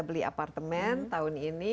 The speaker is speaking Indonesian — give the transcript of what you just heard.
beli apartemen tahun ini